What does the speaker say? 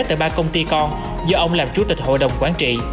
tại ba công ty con do ông làm chủ tịch hội đồng quản trị